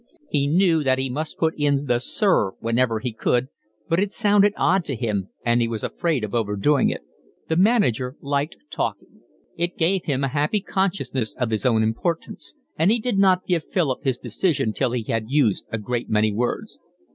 He knew that he must put in the sir whenever he could, but it sounded odd to him, and he was afraid of overdoing it. The manager liked talking. It gave him a happy consciousness of his own importance, and he did not give Philip his decision till he had used a great many words.